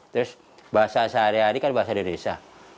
terus bahasa sehari hari kan bahasa dari desa